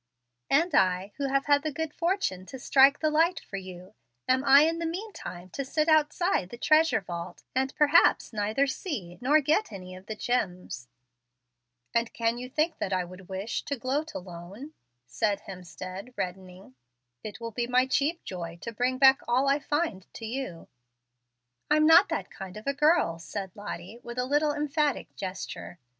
"And I, who have had the good fortune to strike the light for you, am in the mean time to sit outside of the 'treasure vault,' and perhaps neither see nor get any of the 'gems.' I don't agree at all to your gloating alone over what may be discovered." "And can you think I would wish to 'gloat alone'?" said Hemstead, reddening. "It will be my chief joy to bring back all I find to you." "I'm not that kind of a girl," said Lottie, with a little emphatic gesture.